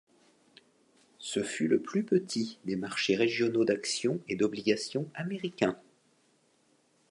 Ce fut le plus petit des marchés régionaux d'actions et d'obligations américains.